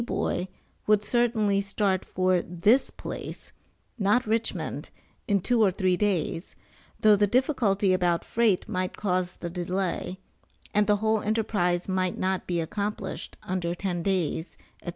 Boy" would certainly start for this place (not Richmond) in two or three days, though the difficulty about freight might cause delay, and the whole enterprise might not be accomplished under ten days, &c.